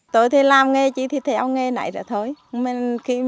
tôi thì làm nghề chỉ theo nghề nãy rồi thôi